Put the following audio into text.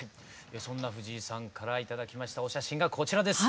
そんな藤井さんから頂きましたお写真がこちらです。